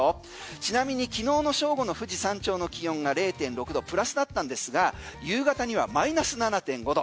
ちなみに昨日の正午の富士山頂の気温が０．６度プラスだったんですが夕方にはマイナス７．５度。